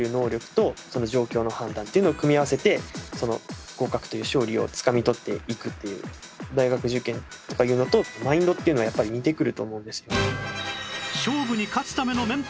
っていうのを組み合わせて合格という勝利をつかみ取っていくっていう大学受験とかいうのとマインドっていうのはやっぱり似てくると思うんですよ。